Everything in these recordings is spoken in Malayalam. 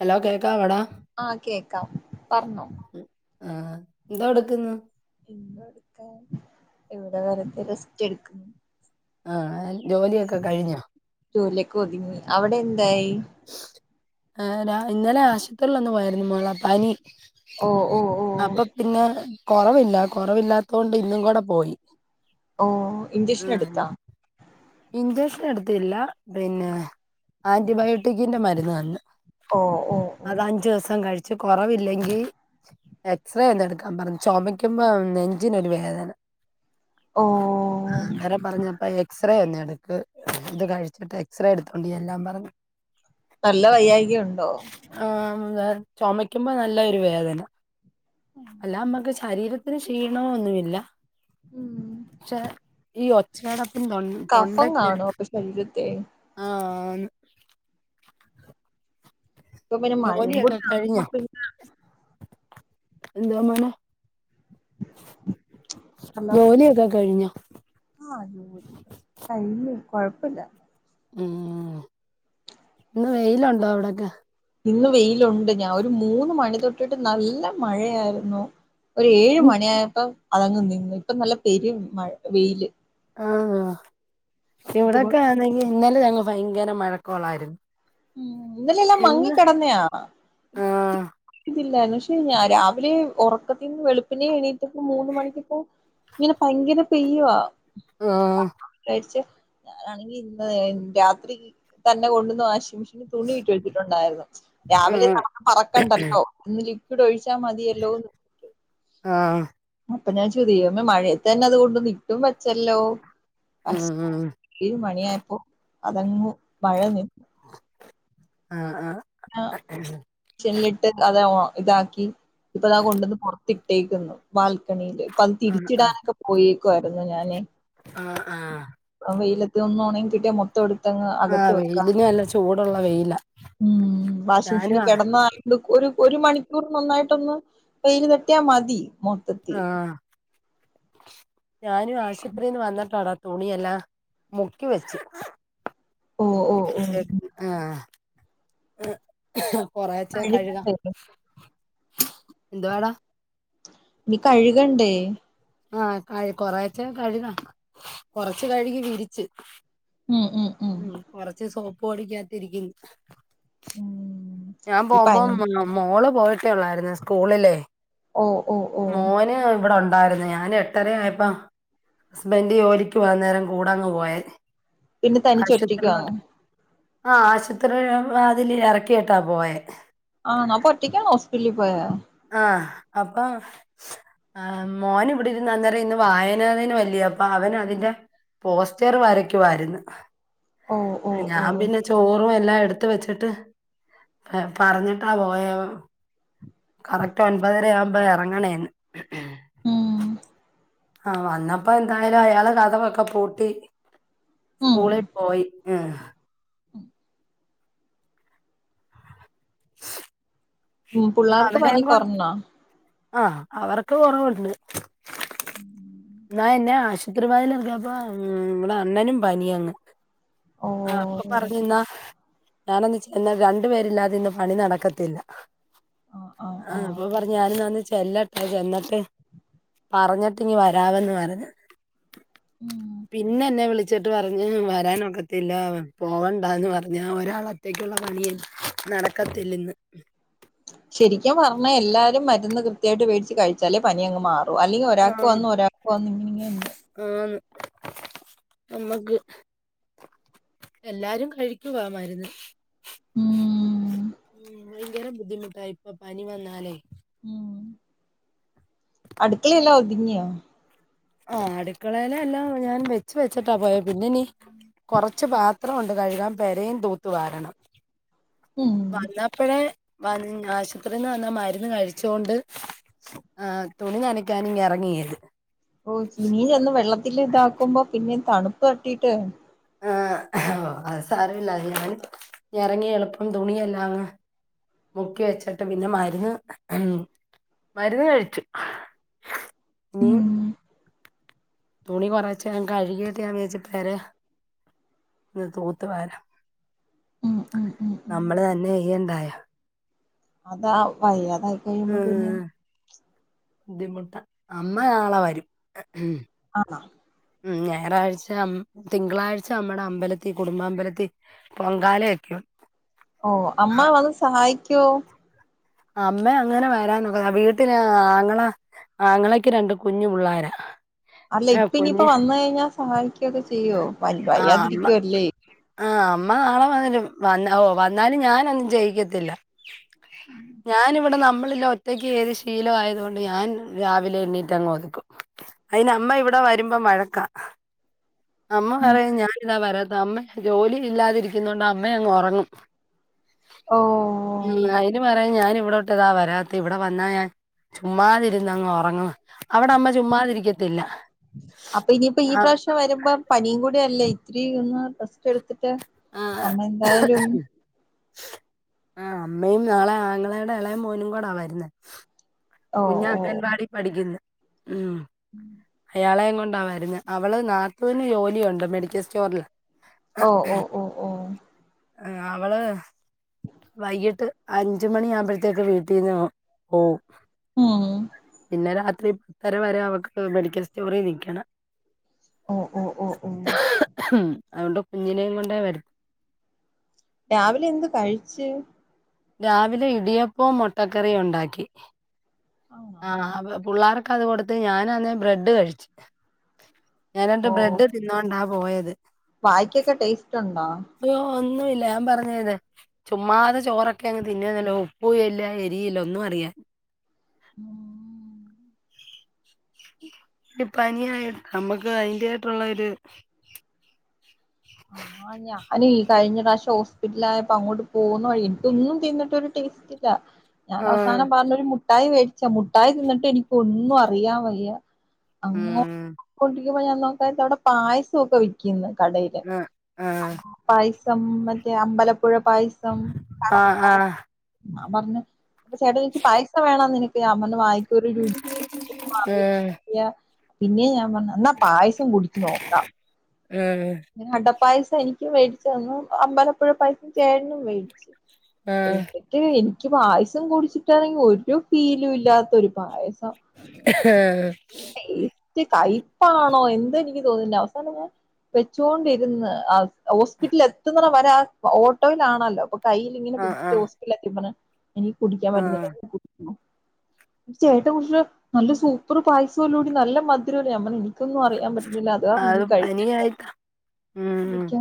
ഹലോ കെ, - ആ കേക്കാം പറഞ്ഞോ ആ, എന്തോ എടുക്കുന്നു ഇവിടെ വെറുതെ റസ്റ്റ് എടുക്ക. ആ, അ ജോലിയൊക്കെ കഴിഞ്ഞോ ജോലിയൊക്കെ ഒതുങ്ങി അവിടെ എന്ത് ഇന്നലെ ആശുപത്രിയിൽ ഒന്ന് പോയ ഓ ഓ ഓ [unintelligible] അപ്പൊ പിന്നെ കൊറവില്ല, കുറവില്ലാത്തോണ്ട് ഇന്നും കൂടെ പോയി. ഓ ഇഞ്ചക്ഷൻ ആഹ് എടുത്തോ? ഇഞ്ചക്ഷൻ എടുത്തില്ല പിന്നെ ആൻറ്റിബയോട്ടി- ബയോട്ടിക്കിന്റെ മരുന്ന് തന്ന്, ഓ ഓ ഓ അത് ഓ അഞ്ചു ദിവസം കഴിച്ച് കൊറവില്ലെങ്കിൽ- എക്സ്റേ എന്തോ എടുക്കാൻ പറഞ്ഞു, ചുമയ്ക്കുമ്പോ നെഞ്ചിനൊരു വേദന. ഓ അന്നേരം പറഞ്ഞപ്പ എക്സ് എക്സ്റേ ഒന്ന് എടുക്ക്, ഇത് കഴിച്ചിട്ട് എക്സറേ എടുത്തോണ്ട് ചെല്ലാൻ പറഞ്ഞു. നല്ല വയ്യായിക ഉണ്ടോ? ചുമക്കുമ്പോ നല്ലൊരു വേദന അല്ലാ നമുക്ക് ചു ശരീരത്തിന് ക്ഷീണമോ ഒന്നുമില്ല ഉം പക്ഷേ ഈ ഒച്ചയടപ്പ്, തൊ കഫം തൊണ്ടക്ക് കാണും അപ്പം ശരീരത്തെ ആന്ന് ഇപ്പൊ പിന്നെ മഴയും കൂടി ജോലിയൊക്കെ ആകുമ്പം പിന്നെ എന്തുവാ മോനെ ഹലോ ജോലിയൊക്കെ കഴിഞ്ഞോ? ആഹ് ജോലി കഴിഞ്ഞ് കൊഴപ്പല്ല. ഊം ഇന്ന് വെയിലുണ്ടോ അവിടൊക്കെ? ഇന്ന് വെയിലുണ്ട്. ഞാ ഒരു മൂന്ന് മണി തൊട്ടിട്ട് നല്ല മഴയാര്ന്നു. ഒരു ഏഴ് മണിയായപ്പം അതങ്ങ് നിന്ന് ഇപ്പൊ നല്ല പെര് മഴ വെയില് ആഹ് ആഹ് ഇപ്പൊ കൊ ഇവിടൊക്കെ ആന്നെങ്കി ഇന്നലെ ഞങ്ങ ഭയങ്കര മഴക്കോളായിരുന്നു ഉം ഇന്നലെല്ലാം ഇന്ന് മങ്ങിക്കിടന്നയാണ് ആഹ് ല്ലായിരുന്നു പക്ഷെ ഞാ രാവിലെ ഉറക്കത്തിന്ന് വെളുപ്പിനെ എണീറ്റപ്പോ മൂന്നു മണിക്കക്കൊ ഇങ്ങനെ ഭയങ്കര പെയ്യുവാ ആഹ് ച്ച് ആണെങ്കി ഇന്ന് രാത്രി തന്നെ കൊണ്ടുവന്ന് വാശി [unintelligible] തുണിയിട്ട് വച്ചിട്ടുണ്ടായിരുന്നു രാവിലെ ആഹ് നടന്ന് പറക്കണ്ടല്ലോ ലിക്വിഡ് ഒഴിച്ച് ച്ചാ മതിയല്ലോ ആഹ് അപ്പൊ ഞാൻ ചോദീ മഴയത്തന്നത് കൊണ്ടുന്ന് ഇട്ടും വച്ചല്ലോ അശ് ഉം വലിയൊരു പണിയാപ്പോ അതങ്ങ് മഴ നി ആഹ് ആഹ് ആഹ് ചില്ലിട്ട് അതെവോ ഇതാക്കി ഇപ്പതാ കൊണ്ടുവന്ന് പൊറ തിട്ടേക്കുന്നു ബാൽക്കണിയിലേക് പ്പം തിരിച്ചിടാനൊക്കെ പോയി. ക്ക് ആയിരുന്നു ഞാനെ ആ ആ. വെയിലത്ത് ഒന്ന് ഒണങ്ങികിട്ടിയാ മൊ ആഹ് വെയിലിന് നല്ല ചൂട്. ട്ള്ള വെയില. ഉം വാഷിംഗ് മെഷീനി കിടന്നയോണ്ട്. ഒരു ഒരു മണിക്കൂർ നന്നായിട്ടൊന്ന് വെയില് തട്ടിയാൽ മതി. മൊത്തത്തി. ആഹ് [unintelligible] ഞാനും ആശുത്രീന്ന് വന്നിട്ടാടാ തുണിയെല്ലാ മുക്കി വെച്ചു ഓ ഓ മുക്കി ഓ ആ ആ കൊറേച്ച കഴുക കഴുകണ്ടേ എന്തുവാടാ ഇനി കഴ്കണ്ടേ ആ കൊറേച്ച കഴുക കൊറച്ച് കഴുകി വിരിച്ച് ഉം ഉം ഉം കൊറച്ച് സോ പൊടിക്കായ്ത്തിരിക്കിൻ ഉം ഞാൻ ഈ പോമ്പം പനി മോള് പോയിട്ടേ ഉള്ളായിരുന്നു സ്കൂളില് ഓ ഓ ഓ മോന് ഇവിടെൻ ഉണ്ടായിരുന്നു ഞാൻ എട്ടര ആയപ്പോ ഹസ്ബൻഡ് ജേലിക്പോകുന്നേരം കൂടാങ്ങ് പോയ പിന്നെ തനിചൊറ്റയ്ക്കാനോ ആ ആശുപത്രി വാതില് ഇറക്കി ട്ടാ പോയേ. ആണോ അപ്പൊ ഒറ്റക്കാണോഹോസ്പിറ്റലിൽ പോയേ ആ അപ്പൊ ആ മോൻ ഇവിടെ ഇരുന്ന് അന്നേര ഇന്ന് വായനദിനഅലിയോ അവനതിന്റെ പോസ്റ്റർ വരക്കുവായിരുന്നു. ഓ ഓ ഓ ഞാൻ പിന്നെ ചോറും എൽ ല്ലാം എടുത്ത് വെച്ചിട്ട് പറഞ്ഞിട്ടാ പോയേ കറക്ററ്റ് ഒൻപതരയാവും മ്പോ എറങ്ങണേന്ന് മ് ആ വന്നപ്പോ എന്തായാലും അയാളെ കഥകൊക്കെ പൂട്ടി ഉം സ്കൂളി പോയി ഏ പു പുള്ളാർക്ക് പനി കൊറർഞ്ഞാേ ആ അവർക്ക് കുറവുണ്ട് [inaudible] ആ എന്നെ ആശുപത്രിപായിൽ എർക്കിപ്പം അണ്ണനും പനിയങ്ങ് ഓ ആ അപ്പൊ പറഞ്ഞുന്നാ ഞാനന്നിച്ചന്നാ രണ്ടു പേരില്ലാതെ ഇന്നു പണി നടക്കത്തില്ല ആഹ് ആഹ് ആ ആഹ് അപ്പൊ പറഞ്ഞ് [unintelligible] ചെല്ലട്ടെ ചേന്നട്ട്. പറഞ്ഞിട്ടിനി വ ടാവന്ന് പറഞ്ഞ്. ഉം പിന്നെ ന്നെവിളി വച്ചിട്ട് പറഞ്ഞ് വരാനൊക്കത്തില്ല പോവണ്ടാന്ന് പറഞ്ഞ്, ഒരാളൊറ്റക്കുള്ള പണിയ നടക്കത്തില്ലെന്ന്. ശരിക്കും പറഞ്ഞാ എല്ലാരും മരുന്ന് കൃത്യായിട്ട് വേടിച്ച് കഴിച്ചാലേ പനി അങ്ങ് മാറും. അല്ലെങ്കിൽ ആ ഒരാൾക്ക് വന്ന് ഒരാൾക്ക് വന്ന് ഇങ്ങനെങ്ങെനെന്ന് അമ്മക്ക് എല്ലാരും കഴിക്കുവാ മരുന്ന് ഉം മ്മഹ് ഭയങ്കരം ബു ബുദ്ധിമുട്ടാ ഇപ്പൊ പനി വന്നാലേയ് ഉം അടുക്കളെല്ലാം ഒതിങ്ങിയോ ആഹ് അടുക്കളേയിലെ എല്ലാം ഞാൻ വെച്ച് വെച്ചിട്ടാ പോയ പിന്നെനീ കൊറച്ച് പാത്രോ കഴുകാൻ പെരേം തൂത്തുവാരണം ഉം വന്നപ്പഴേ വന്ന് ആശുപത്രിയിൽ നിന്ന് വന്ന മരുന്ന് കഴിച്ചോണ്ട് ആ തുണി നനക്കാനിങ്ങ് എറങ്ങിയെന് ഓ ചിനീ ചെന്ന് വെള്ളത്തിലിതാക്കുമ്പോ പിന്നെ തണുപ്പ് തട്ടിട്ട് ആ അത് സാരമില്ല അതി ഞാൻ ഇറങ്ങി എളുപ്പം തുണിയെല്ലാം മുക്കി വെച്ചിട്ട് പിന്നെ മരുന്ന് മ് മരുന്ന് കഴിച്ചു ഇനി ഉം തുണി കുറച്ച് കഴുകിട്ട് ഞാൻ വിചാരിച് പെരെ തൂത്ത് വരാം ഉം ഉം ഉം ഉം നമ്മള് തന്നെ ചെയ്യണ്ടായോ അതാ വയ്യ അത് കഴിയുമ്പോ പിന്നെ ബുദ്ധിമുട്ട അമ്മ നാളെ വരും എ ഏഹ് ആണോ ഉം ഞായറാഴ്ച അമ്മ തിങ്കളാഴ്ച അമ്മുടെ അമ്പലത്തി കുടുംബ അമ്പലത്തി പൊങ്കാല ഒക്കെ യുണ്ട് ഓ അമ്മ വന്ന് സഹായിക്- ക്കോ അമ്മേ അങ്ങനെ വരാനോക വീട്ടില് ആങ്ങള ആങ്ങളക്ക് രണ്ട് കുഞ്ഞു പിള്ളേരാ അല്ല ഇപ്പ ഇനിയിപ്പം വന്ന് കഴിഞ്ഞാ സഹായി- ക്കെ ചെയ്യോ വയ് വയ്യാതിരിക്കുവല്ലേ ആ അമ്മ നാളെ വരും വന്നാലും ഓ വന്നാലും ഞാനൊന്നും ചെയ്യക്കത്തില്ല ഞാൻ ഇവിടെ നമ്മളില്ലേ ഒറ്റയ്ക്ക് ചെയ്ത് ശീലയത് കൊണ്ട് ഞാൻ രാവിലെ എണ്ണീറ്റ് അങ്ങ് ഒതുക്കും അയ്ന് അമ്മ ഇവിടെ വരുമ്പോ വഴക്കാ അമ്മ ഉം. പറയും ഞാനിതാ വരാത്തെ അമ്മ ജോലി ഇല്ലാതിരിക്കുന്നതൊണ്ട് അമ്മ അങ്ങ് ഒറങ്ങും ഓ [unintelligible] അതിനു പറയും ഞാനിവിടോട്ട് ഇതാ വരാത്തെ ഇവിടെ വന്നാ ഞാൻ ചുമ്മാതിരന്നങ്ങ് ഒറങ്ങുവാ അവിടെ അമ്മ ചുമ്മാതിരിക്കത്തില്ല അപ്പൊ ഇനിയിപ്പോ ഈ ആഹ് പ്രാശ്യം- വരുമ്പം പനിം കൊണ്ട് ല്ലെ ഇത്തിരി ഒന്ന് റസ്റ്റ് എടുത്തിട്ട്- [inaudible] അമ്മ എന്തായാലും [inaudible] ആ അമ്മയും നാളെ ആങ്ങളെടെ ഇളയ മോനുംകൂടവരുന്നേ ഓ കുഞ്ഞ് ഓ അംഗൻവാടി പഠിക്കുന്നു. ഉം. ആളെ കൊണ്ടാ വരുന്നത്. അവള് നാത്തൂന് ജോലിയുണ്ട്. മെഡിക്കൽ സ്റ്റോറില്. ഓ ഓ ഓ ഓ അവള് വൈകിട്ട് അഞ്ചുമണി ആകുമ്പത്തേക്ക് വീട്ടിൽന്ന് പോകും. ഉം. പിന്നെ രാത്രി പത്തര വരെ അവക്ക് മെഡിക്കൽ സ്റ്റോറിൽ നിക്കണം. ഓ ഓ ഓ ഓ അതുകൊണ്ട് കുഞ്ഞിനെയും കൊണ്ടേ വര രാവിലെ എന്ത് കഴിച്ച്? രാവിലെ ഇടിയപ്പവും മുട്ടക്കറിയും ഉണ്ടാക്കി. ആണോ ആ അപ്പൊ പിള്ളാർ അത് കൊടുത്ത് ഞാനാന്നെ ബ്രെഡ് കഴിച്ചു. ഞാൻ രണ്ട് ബ്രെഡ് തിന്നോണ്ടാ പോയത്. തെ വായിക്കക്കെ ടേസ്റ്റ് ഇട്ടുണ്ടോ? ഒന്നുമില്ല. ഞാൻ പറഞ്ഞേത് ചുമ്മാതെ ചോറൊക്കെ അങ്ങ് തിന്നുന്നല്ലോ? ഉപ്പും ഇല്ല. എരിയും ഇല്ല ഒന്നും അറിയാൻ. ഉം. ഒരു പനിയായി നമ്മുക്ക് അതിന്റെ തായിട്ടുള്ള ഒരു ആ ഞാന് ഈ കഴിഞ്ഞ പ്രാവശ്യം ഹോസ്പിറ്റലായപ്പോ അങ്ങോട്ട് പോകുന്ന വഴി എനിക്ക് ഒന്നും തിന്നിട്ടൊരു ടേസ്റ്റ് ഇല്ല. ഞാൻ ആഹ് അവസാനം പറഞ്ഞൊരു മു മുട്ടായി മേടിച്ചു. മുട്ടായി തിന്നിട്ട് എനിക്ക് ഒന്നും അറിയാൻ വയ്യ. അങ്ങോ ഉം പ്പോയി ഞാൻ നോക്കാൻ. അവിടെ പായസം ഒക്കെ വിൽക്കുന്നു കടയില്. ആഹ് പായ മറ്റേ അമ്പലം പ്പുഴ പായസം ആ ആഹ് ആഹ് ആഹ് പറഞ്ഞോ? അപ്പം ചേട്ടൻ ചോദിച്ചു പായസം വേണോ നിനക്ക്? [unintelligible] രുചി മാറി പിന്നെ ഞാൻ പറഞ്ഞു എന്നാ പായസം കുടിച്ചുനോക്കാം. ഉം ഉം കണ്ട പായ എനിക്കും മേടിച്ചുതന്നു. അമ്പലപ്പുഴ പായസം ചേട്ടനും മേടിച്ചു. ആഹ് എനിക്ക് എനിക്ക് പായസം കുടിച്ചിട്ടാണെങ്കി ഒരു ഫീലും ഇല്ലാത്തൊരു പായസം എഖാ ത്ത് കയ്പ്പാണോ എന്തെനിക്ക് തോന്നുന്നി അവസാനം ഞാൻ വെച്ചോണ്ടിരുന്ന് ആ ഹോസ്പിറ്റലിൽ എത്തുന്നിടം വരെ ഓട്ടോയേലാണല്ലോ അപ്പ കയ്യിലിങ്ങനെ ആഹ് പിടിച്ച് ആഹ് ഹോസ്പ്പിറ്റലിലെത്തപ്പന്നെ എനിക്ക് കുടിക്കാൻ പറ്റുന്നില്ല ആഹ് ചേട്ട കുടിച്ചിട്ടെ നല്ല സൂപ്പർ പായസമല്ലോടി നല്ല മധുരല്ല ഞാൻമ്പറഞ്ഞ് എനിക്ക് ക്കൊ ന്നും അറിയാൻ പറ്റുന്നില്ല അത് കാരണം എനിക്കെ കഴിക്കാ യിട്ട ഉം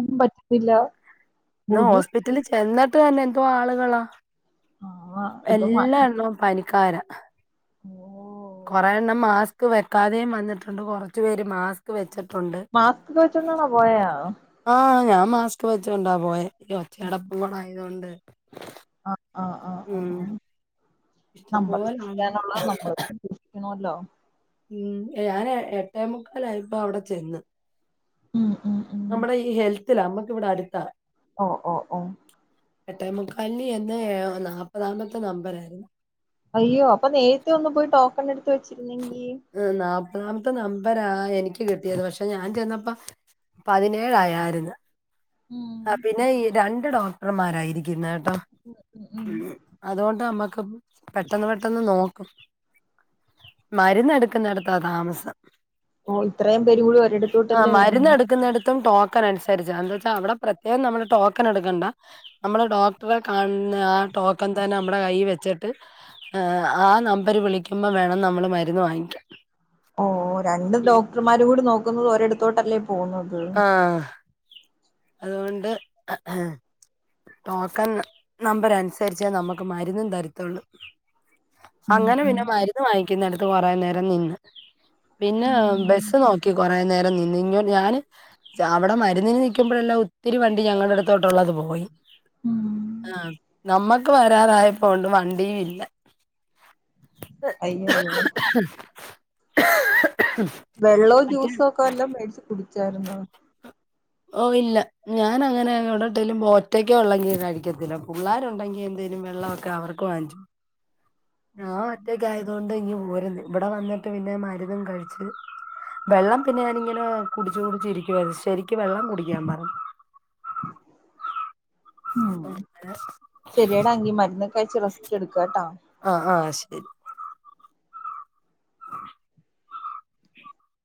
ഇല്ല ന്ന ഹോസ്പിറ്റലിൽ ചെന്ന ഇതന്നെ എന്തോ ആളുകളാ ആ ഇത് മ എല്ലാ എണ്ണോം പനി കാര ഓ കുറെ എണ്ണം മാസ്ക് വെക്കാതെയും വന്നിട്ടുണ്ട് കൊറച്ചു പേര് മാസ്ക് വെച്ചിട്ട് മാസ്ക് വെച്ചോ ണ്ടാണോ പോയ ആഹ് ഞാൻ മാസ്ക് വെച്ചോണ്ടാ പോയേ ഈ ഒച്ചയടപ്പൂടായതുകൊണ്ട് [unintelligible] ആ ആ ആ ആ ആ നമ്മൾ ഇഷ്ടംപോലെ ആള് സൂക്ഷിക്കാനുള്ളത് നമ്മള സൂക്ഷിക്കണല്ലോ ഉം ഞാനെ എട്ടേമുക്കാലയപ്പോ അവിടെ ചെന്ന് ഉം ഉം ഉം നമ്മുടെ ഈ ഹെൽത്തിലാമ്മ ഇവിടടുത്താ ഓ ഓ ഓ എട്ടേമുക്കാലിന് ചെന്ന് ഏ നാല്പ്പതാമത്തെ നമ്പറ അയ്യോ അപ്പൊ നേരത്തെ ഒന്ന് പോയി ടോക് കണ്ട [unintelligible] ഉം നാല്പ്പതാം ഇത് നമ്പരാ എനിക്ക് കിട്ടിയത് പക്ഷെ ഞാൻ ചെന്നപ്പ പതിനേഴായാരുന്നു ഉം ആ പിന്നെ ഈ രണ്ട് ഡോക്ടർമാരാ ഇരിക്കുന്നെ- ഉം ഉം അതുകൊണ്ട് നമ്മക്ക്- പെട്ടന്ന് പെട്ടെന്ന് നോക്കും മരുന്നെടുക്കുന്നിടത്താ താമസം ഓ ഇത്രയും- പേരും കൂടി ആ ഒരിടത്തോട്ടല്ലേ വരുന്നെ മരുന്ന് എടുക്കുന്നിടത്തും ടോക്കൺ അനുസരിച്ച എന്തോ ചെ ആ അവിടെ പ്രത്യേകം നമ്മള് ടോക്കൺ എടുക്കണ്ട നമ്മള് ഡോക്ടറെ കാണുന്ന ആ ടോക്കൺ തന്നെ നമ്മളെ കൈ വെച്ചിട്ട് ഏഹ് ആ നമ്പര് വിളിക്കുമ്പം വേണം നമ്മള് മരുന്ന് വാങ്ങിക്കാൻ ഓ രണ്ട് ഡോക്ടർമാരു കൂടി നോക്ക് ഒരിടത്തോട്ടല്ലേ പോന്നത് ആഹ് അതുകൊണ്ട് ടോക്കൺ നമ്പർ അനുസരിച്ചേ നമുക്ക് മരുന്നും തരത്തൊള്ളൂ ഉം അങ്ങനെ പിന്നെ ഉം മരുന്ന് വാങ്ങിക്കുന്നെടത്ത് കൊറെ നേരം നിന്ന് പിന്നെ ഉം ബസ്സ് നോക്കി കൊറെ നേരം നിന്ന് ഇങ്ങ് ഞാന് അവിടെ മരുന്നിന് നിക് ക്കുമ്പഴെല്ലാം ഒത്തിരി വണ്ടി ഞങ്ങളുടെ അടുത്തോട്ടുള്ളത് പോയി ഉം ആ നമ്മക്ക് വരാറായപ്പോണ്ട് വണ്ടിയും ഇല്ല അയ്യയ്യോ വെള്ളോ മറ്റേ ജ്യൂസോ ഒക്കെ വല്ലോം മേടിച്ച് കുടിച്ചാരുന്നോ? ഓ ഇല്ല ഞാനങ്ങനെ എവിടോട്ടേലും പോ ഒറ്റക്കെ യൊള്ളെങ്കി കഴിക്കത്തില്ല പുള്ളാരുണ്ടെങ്കി എന്തേലും വെള്ളവൊക്കെ അവർക്ക് വാങ്ങിച്ച് ഞാ ഒറ്റക്കായതുകൊണ്ട് ഇങ്ങു പോരുന്നു ഇബടെ വന്നിട്ട് പിന്നെ മരുന്നും കഴിച്ച് വെള്ളം പിന്നെ ഞാനിങ്ങനെ കുടിച്ചു കുടിച്ച് ഇരിക്കുവ ശരിക്ക് വെള്ളം കുടിക്കാൻ പറഞ്ഞു. ഉം ശരിയെടാ എങ്കി മരുന്ന് ക ച്ച് റെസ്റ്റ് എടുക്ക ട്ടോ ആഹ് ആഹ് ശരി